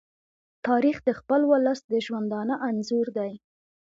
تاریخ د خپل ولس د ژوندانه انځور دی.